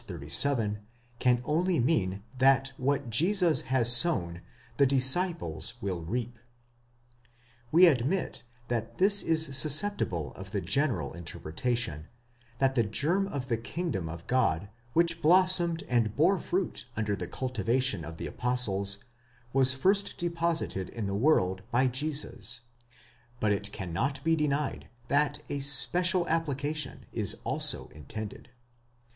37, can only mean that what Jesus has sown, the disciples will reap.17 We admit that this is susceptible of the general interpretation, that the germ of the kingdom of God, which blossomed and bore fruit under the cultivation of the apostles, was first deposited in the world by Jesus: but it cannot be denied that a special application is also intended.